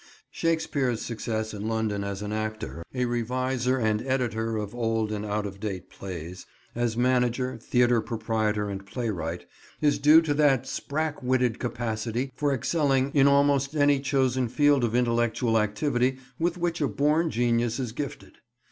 Shakespeare's success in London as an actor, a reviser and editor of old and out of date plays, as manager, theatre proprietor and playwright, is due to that sprack witted capacity for excelling in almost any chosen field of intellectual activity with which a born genius is gifted.